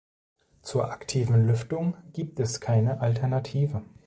Zur aktiven Lüftung gibt es keine Alternative.